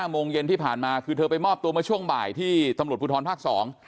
โมงเย็นที่ผ่านมาคือเธอไปมอบตัวเมื่อช่วงบ่ายที่ตำรวจภูทรภาค๒